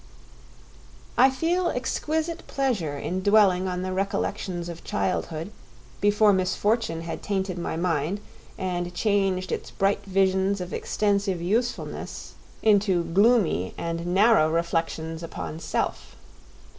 I feel exquisite pleasure in dwelling on the recollections of childhood, before misfortune had tainted my mind and changed its bright visions of extensive usefulness into gloomy and narrow reflections upon self.